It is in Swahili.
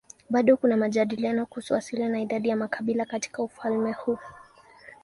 Bado kuna majadiliano kuhusu asili na idadi ya makabila katika ufalme huu.